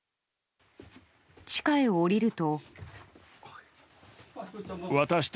地下へ下りると。